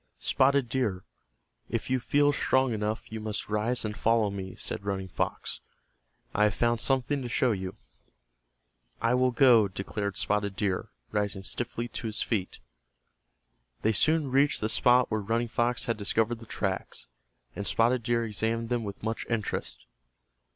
"Spotted Deer, if you feel strong enough you must rise and follow me," said Running Fox. "I have found something to show you." "I will go," declared Spotted Deer, rising stiffly to his feet. They soon reached the spot where Running Fox had discovered the tracks, and Spotted Deer examined them with much interest.